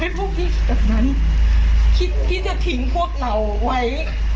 ทำงานครบ๒๐ปีได้เงินชดเฉยเลิกจ้างไม่น้อยกว่า๔๐๐วัน